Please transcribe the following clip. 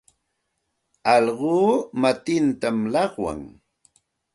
Allquu matintam llaqwan.